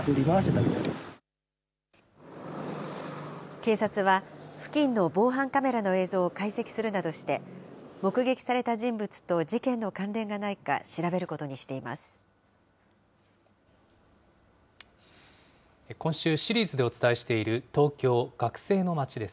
警察は、付近の防犯カメラの映像を解析するなどして、目撃された人物と事件の関連がないか、今週、シリーズでお伝えしている、東京・学生の街です。